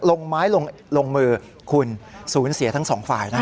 ลงไม้ลงมือคุณศูนย์เสียทั้ง๒ฝ่ายนะครับ